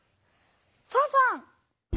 ファンファン！